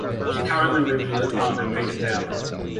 She currently lives with her partner Peter Dowling.